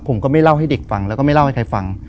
ผมก็ไม่เล่าให้เด็กฟังแล้วก็ไม่เล่าให้ใครฟัง